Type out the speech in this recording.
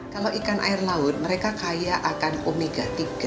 kalau ikan air laut mereka kaya akan omega tiga